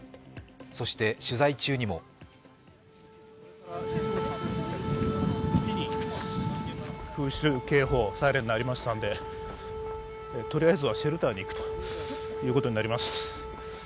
そして、取材中にも空襲警報、サイレン鳴りましたんでとりあえずはシェルターに行くということになります。